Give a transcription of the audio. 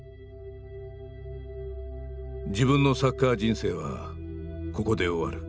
「自分のサッカー人生はここで終わる」。